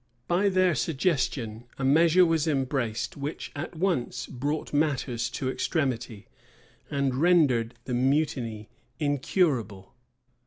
By their suggestion, a measure was embraced which at once brought matters to extremity, and rendered the mutiny incurable.